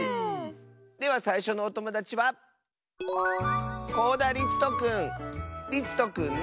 ではさいしょのおともだちはりつとくんの。